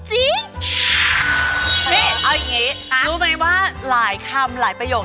นี่เอาอย่างนี้รู้ไหมว่าหลายคำหลายประโยค